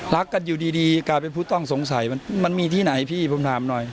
รักกันอยู่ดีกลายเป็นผู้ต้องสงสัยมันมีที่ไหนพี่ผมถามหน่อย